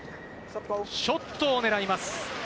ショットを狙います。